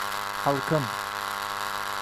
Xalqim